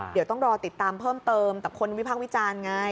เดี๋ยวต้องรอติดตามเพิ่มเติมแต่คนวิพากษ์วิจารณ์ไง